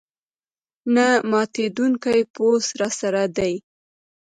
نه ماتېدونکی پوځ راسره دی.